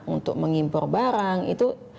untuk mengimpor barang itu